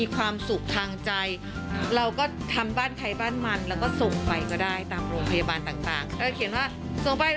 ความศูบคล่างใจเราก็ทำบ้านไถ่บ้านมันแล้วก็ส่งไปก็ได้ตามโรงพยาบาลต่างถ้าเขียนว่าส่งไป